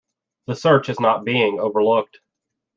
The search is not being overlooked.